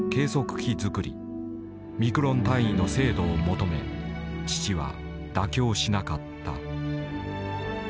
ミクロン単位の精度を求め父は妥協しなかった。